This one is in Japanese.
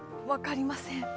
分かりません。